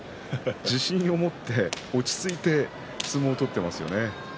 自信をもって落ち着いて相撲を取ってますよね。